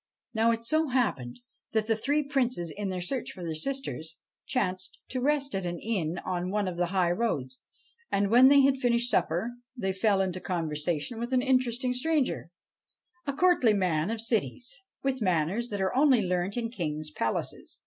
Now it so happened that the three Princes, in their search for their sisters, chanced to rest at an inn on one of the high roads ; and, when they had finished supper, they fell into conversation with an interesting stranger a courtly man of cities, with manners that are only learnt in kings' palaces.